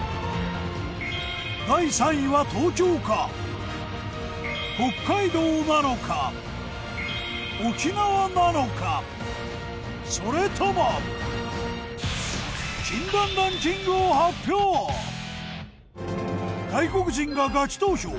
第３位は東京か北海道なのか沖縄なのかそれとも。外国人がガチ投票！